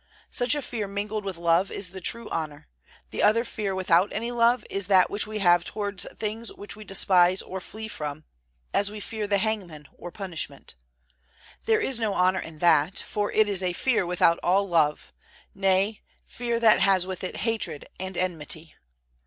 Such a fear mingled with love is the true honor; the other fear without any love is that which we have toward things which we despise or flee from, as we fear the hangman or punishment. There is no honor in that, for it is a fear without all love, nay, fear that has with it hatred and enmity.